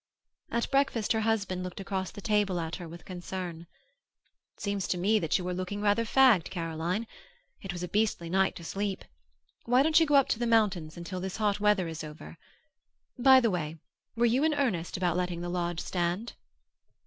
At breakfast her husband looked across the table at her with concern. "It seems to me that you are looking rather fagged, Caroline. It was a beastly night to sleep. Why don't you go up to the mountains until this hot weather is over? By the way, were you in earnest about letting the lodge stand?"